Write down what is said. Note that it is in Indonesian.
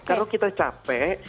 kalau kita capek